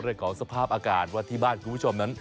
เรื่องของสภาพอากาศว่าที่บ้านคุณผู้ชมนั้น